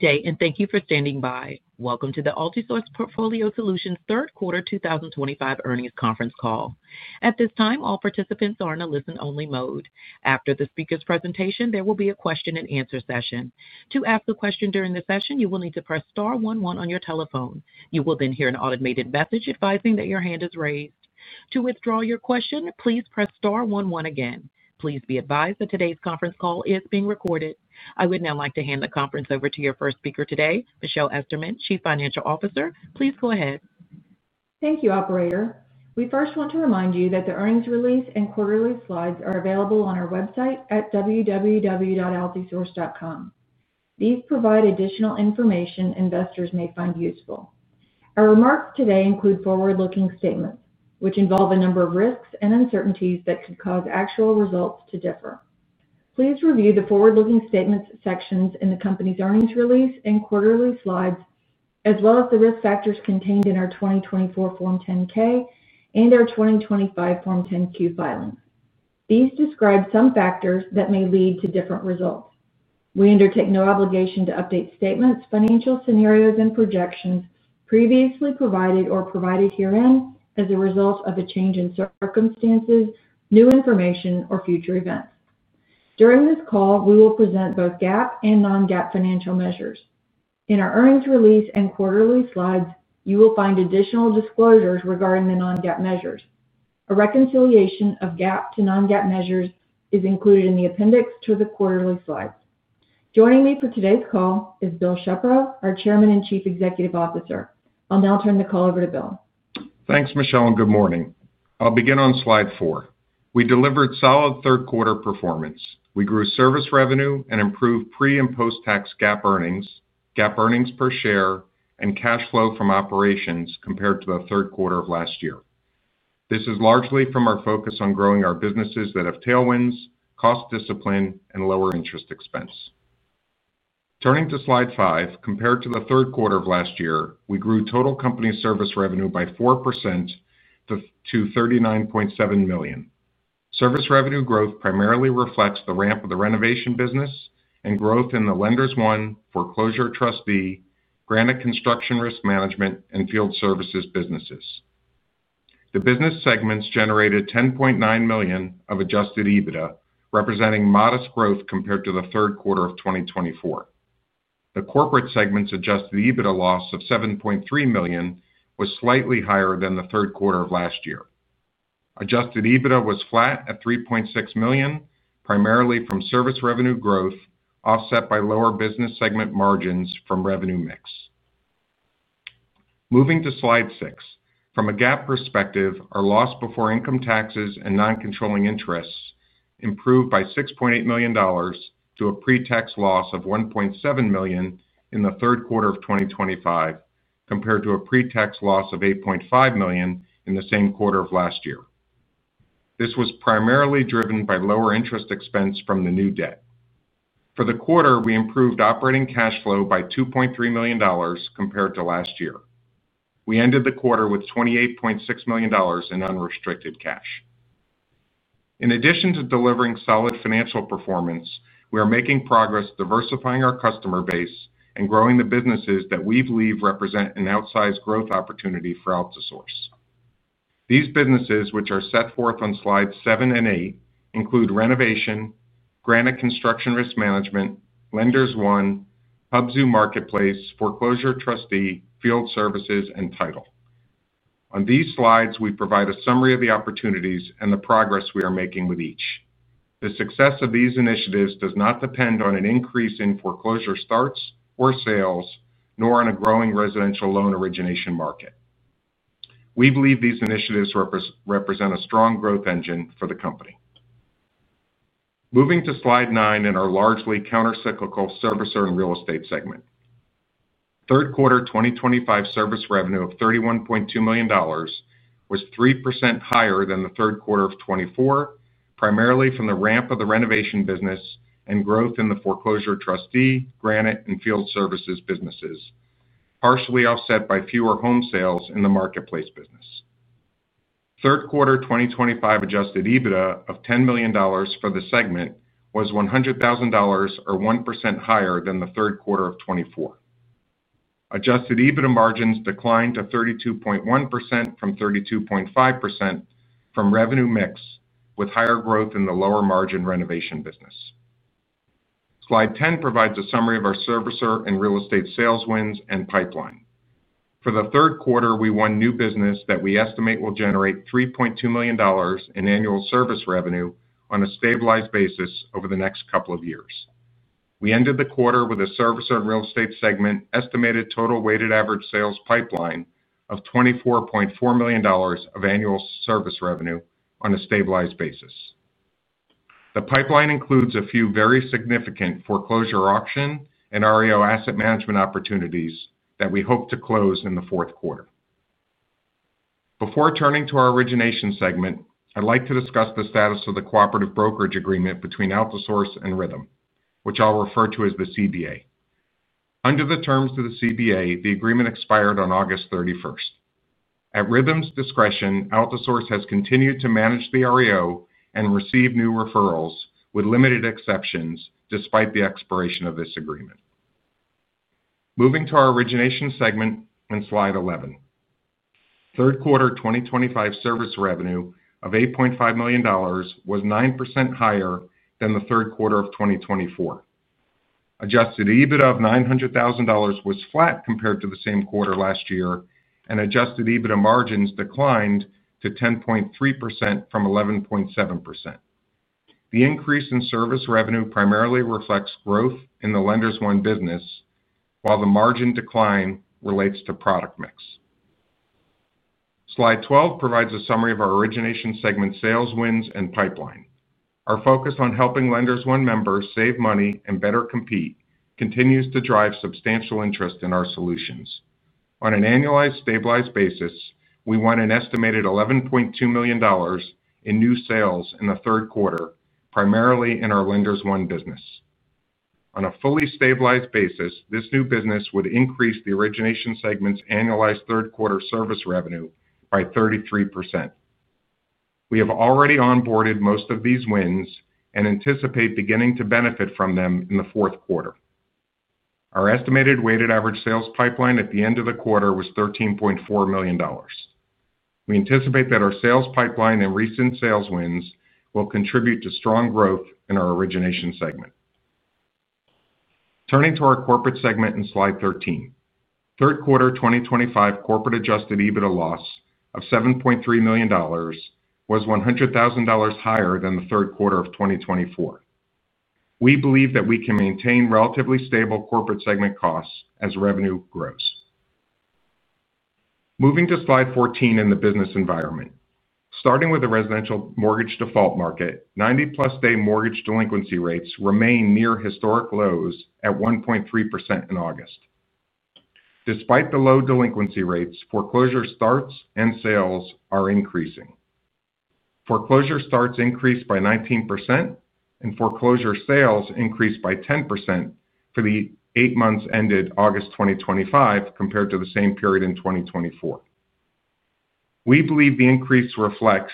Good day and thank you for standing by. Welcome to the Altisource Portfolio Solutions Third Quarter 2025 Earnings Conference Call. At this time, all participants are in a listen-only mode. After the speaker's presentation, there will be a question-and-answer session. To ask a question during the session, you will need to press star one one on your telephone. You will then hear an automated message advising that your hand is raised. To withdraw your question, please press star one one again. Please be advised that today's conference call is being recorded. I would now like to hand the conference over to your first speaker today, Michelle Esterman, Chief Financial Officer. Please go ahead. Thank you, operator. We first want to remind you that the earnings release and quarterly slides are available on our website at www.altisource.com. These provide additional information investors may find useful. Our remarks today include forward-looking statements, which involve a number of risks and uncertainties that could cause actual results to differ. Please review the forward-looking statements sections in the company's earnings release and quarterly slides, as well as the risk factors contained in our 2024 Form 10-K and our 2025 Form 10-Q filings. These describe some factors that may lead to different results. We undertake no obligation to update statements, financial scenarios, and projections previously provided or provided herein as a result of a change in circumstances, new information, or future events. During this call, we will present both GAAP and non-GAAP financial measures. In our earnings release and quarterly slides, you will find additional disclosures regarding the non-GAAP measures. A reconciliation of GAAP to non-GAAP measures is included in the appendix to the quarterly slides. Joining me for today's call is Bill Shepro, our Chairman and Chief Executive Officer. I'll now turn the call over to Bill. Thanks, Michelle, and good morning. I'll begin on slide four. We delivered solid third-quarter performance. We grew service revenue and improved pre- and post-tax GAAP earnings, GAAP earnings per share, and cash flow from operations compared to the third quarter of last year. This is largely from our focus on growing our businesses that have tailwinds, cost discipline, and lower interest expense. Turning to slide five, compared to the third quarter of last year, we grew total company service revenue by 4% to $39.7 million. Service revenue growth primarily reflects the ramp of the renovation business and growth in the Lenders One, Foreclosure Trustee, Granite Construction Risk Management, and Field Services businesses. The business segments generated $10.9 million of adjusted EBITDA, representing modest growth compared to the third quarter of 2024. The corporate segment's adjusted EBITDA loss of $7.3 million was slightly higher than the third quarter of last year. Adjusted EBITDA was flat at $3.6 million, primarily from service revenue growth offset by lower business segment margins from revenue mix. Moving to slide six, from a GAAP perspective, our loss before income taxes and non-controlling interests improved by $6.8 million to a pre-tax loss of $1.7 million in the third quarter of 2025, compared to a pre-tax loss of $8.5 million in the same quarter of last year. This was primarily driven by lower interest expense from the new debt. For the quarter, we improved operating cash flow by $2.3 million compared to last year. We ended the quarter with $28.6 million in unrestricted cash. In addition to delivering solid financial performance, we are making progress diversifying our customer base and growing the businesses that we believe represent an outsized growth opportunity for Altisource. These businesses, which are set forth on slides seven and eight, include renovation, Granite Construction Risk Management, Lenders One, Hubzu Marketplace, Foreclosure Trustee, Field Services, and Title. On these slides, we provide a summary of the opportunities and the progress we are making with each. The success of these initiatives does not depend on an increase in foreclosure starts or sales, nor on a growing residential loan origination market. We believe these initiatives represent a strong growth engine for the company. Moving to slide nine in our largely countercyclical service earning real estate segment. Third quarter 2025 service revenue of $31.2 million was 3% higher than the third quarter of 2024, primarily from the ramp of the renovation business and growth in the Foreclosure Trustee, Granite and Field Services businesses, partially offset by fewer home sales in the marketplace business. Third quarter 2025 adjusted EBITDA of $10 million for the segment was $100,000 or 1% higher than the third quarter of 2024. Adjusted EBITDA margins declined to 32.1% from 32.5% from revenue mix, with higher growth in the lower margin renovation business. Slide 10 provides a summary of our service earning real estate sales wins and pipeline. For the third quarter, we won new business that we estimate will generate $3.2 million in annual service revenue on a stabilized basis over the next couple of years. We ended the quarter with a service real estate segment estimated total weighted average sales pipeline of $24.4 million of annual service revenue on a stabilized basis. The pipeline includes a few very significant foreclosure auction and REO asset management opportunities that we hope to close in the fourth quarter. Before turning to our origination segment, I'd like to discuss the status of the cooperative brokerage agreement between Altisource and Rhythm, which I'll refer to as the CBA. Under the terms of the CBA, the agreement expired on August 31st. At Rhythm's discretion, Altisource has continued to manage the REO and receive new referrals with limited exceptions despite the expiration of this agreement. Moving to our origination segment on slide 11, third quarter 2025 service revenue of $8.5 million was 9% higher than the third quarter of 2024. Adjusted EBITDA of $900,000 was flat compared to the same quarter last year, and adjusted EBITDA margins declined to 10.3% from 11.7%. The increase in service revenue primarily reflects growth in the Lenders One business, while the margin decline relates to product mix. Slide 12 provides a summary of our origination segment sales wins and pipeline. Our focus on helping Lenders One members save money and better compete continues to drive substantial interest in our solutions. On an annualized stabilized basis, we won an estimated $11.2 million in new sales in the third quarter, primarily in our Lenders One business. On a fully stabilized basis, this new business would increase the origination segment's annualized third quarter service revenue by 33%. We have already onboarded most of these wins and anticipate beginning to benefit from them in the fourth quarter. Our estimated weighted average sales pipeline at the end of the quarter was $13.4 million. We anticipate that our sales pipeline and recent sales wins will contribute to strong growth in our origination segment. Turning to our corporate segment in slide 13, third quarter 2025 corporate adjusted EBITDA loss of $7.3 million was $100,000 higher than the third quarter of 2024. We believe that we can maintain relatively stable corporate segment costs as revenue grows. Moving to slide 14 in the business environment, starting with the residential mortgage default market, 90+ day mortgage delinquency rates remain near historic lows at 1.3% in August. Despite the low delinquency rates, foreclosure starts and sales are increasing. Foreclosure starts increased by 19% and foreclosure sales increased by 10% for the 8 months ended August 2025 compared to the same period in 2024. We believe the increase reflects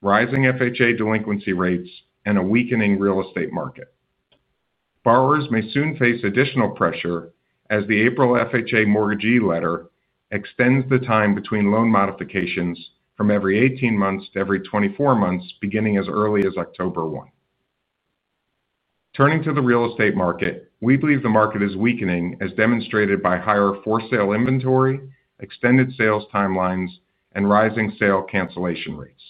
rising FHA delinquency rates and a weakening real estate market. Borrowers may soon face additional pressure as the April FHA mortgagee letter extends the time between loan modifications from every 18 months to every 24 months, beginning as early as October 1. Turning to the real estate market, we believe the market is weakening as demonstrated by higher for sale inventory, extended sales timelines, and rising sale cancellation rates.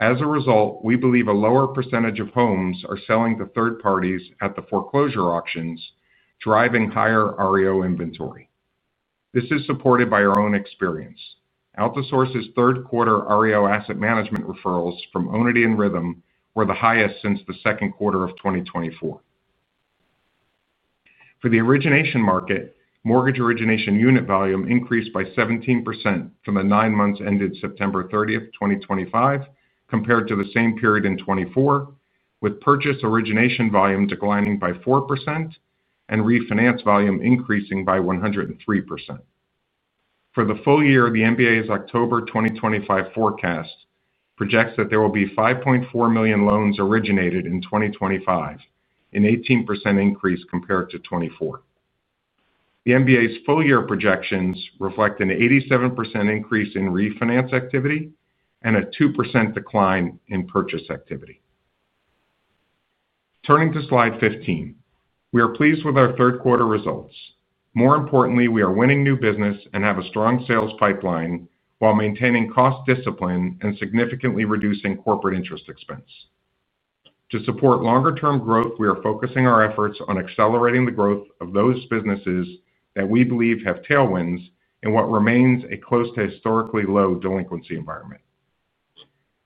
As a result, we believe a lower percentage of homes are selling to third parties at the foreclosure auctions, driving higher REO inventory. This is supported by our own experience. Altisource's third quarter REO asset management referrals from Onity and Rhythm were the highest since the second quarter of 2024. For the origination market, mortgage origination unit volume increased by 17% from the 9 months ended September 30th, 2025, compared to the same period in 2024, with purchase origination volume declining by 4% and refinance volume increasing by 103%. For the full year, the MBA's October 2025 forecast projects that there will be 5.4 million loans originated in 2025, an 18% increase compared to 2024. The MBA's full-year projections reflect an 87% increase in refinance activity and a 2% decline in purchase activity. Turning to slide 15, we are pleased with our third quarter results. More importantly, we are winning new business and have a strong sales pipeline while maintaining cost discipline and significantly reducing corporate interest expense. To support longer-term growth, we are focusing our efforts on accelerating the growth of those businesses that we believe have tailwinds in what remains a close to historically low delinquency environment.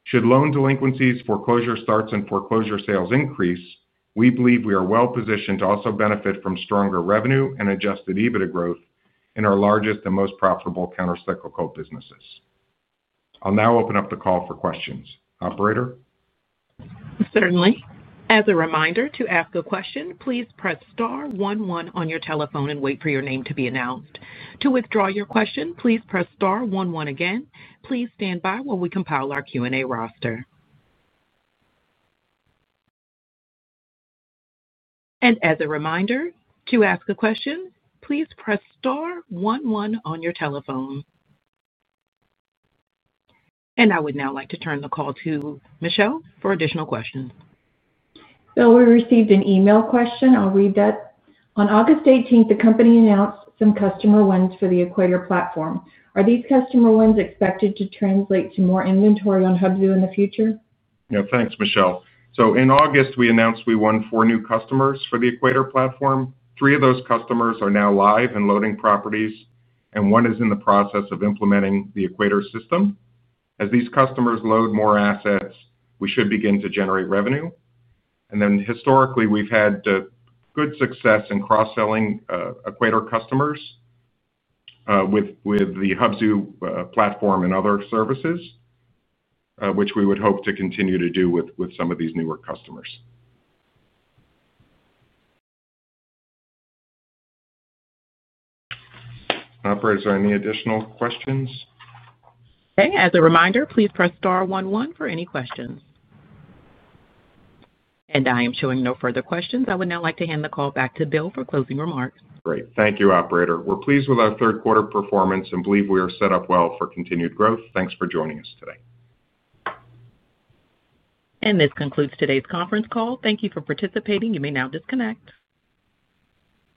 Should loan delinquencies, foreclosure starts, and foreclosure sales increase, we believe we are well positioned to also benefit from stronger revenue and adjusted EBITDA growth in our largest and most profitable countercyclical businesses. I'll now open up the call for questions. Operator? Certainly. As a reminder, to ask a question, please press star one one on your telephone and wait for your name to be announced. To withdraw your question, please press star one one again. Please stand by while we compile our Q&A roster. As a reminder, to ask a question, please press star one one on your telephone. I would now like to turn the call to Michelle for additional questions. Bill, we received an email question. I'll read that. On August 18th, the company announced some customer wins for the Equator platform. Are these customer wins expected to translate to more inventory on Hubzu Marketplace in the future? Yeah, thanks, Michelle. In August, we announced we won four new customers for the Equator platform. Three of those customers are now live and loading properties, and one is in the process of implementing the Equator system. As these customers load more assets, we should begin to generate revenue. Historically, we've had good success in cross-selling Equator customers with the Hubzu platform and other services, which we would hope to continue to do with some of these newer customers. Operator, is there any additional questions? Okay. As a reminder, please press star one one for any questions. I am showing no further questions. I would now like to hand the call back to Bill for closing remarks. Great. Thank you, Operator. We're pleased with our third-quarter performance and believe we are set up well for continued growth. Thanks for joining us today. This concludes today's conference call. Thank you for participating. You may now disconnect.